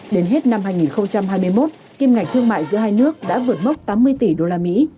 đến hết năm hai nghìn hai mươi một kim ngạch thương mại giữa hai nước đã vượt mốc tám mươi tỷ usd